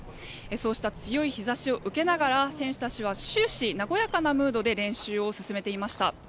そうした強い日差しを受けながら選手たちは終始和やかなムードで練習を進めていました。